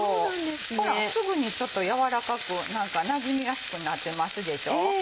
ほらすぐにちょっと軟らかくなじみやすくなってますでしょ。